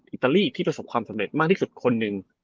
อิตาลีที่ประสบความสำเร็จมากที่สุดคนหนึ่ง